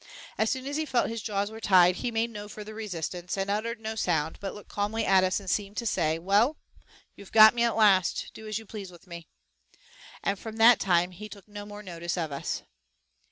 As soon as he felt his jaws were tied he made no further resistance, and uttered no sound, but looked calmly at us and seemed to say, "Well, you have got me at last, do as you please with me." And from that time he took no more notice of us.